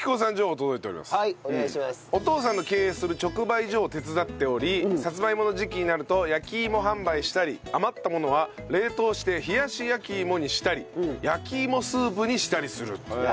お父さんの経営する直売所を手伝っておりさつまいもの時期になると焼き芋販売したり余ったものは冷凍して冷やし焼き芋にしたり焼き芋スープにしたりするという。